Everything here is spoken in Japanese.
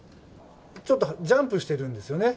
ちょっとジャンプしてるんですよね。